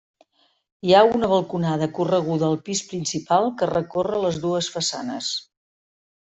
Hi ha una balconada correguda al pis principal que recorre les dues façanes.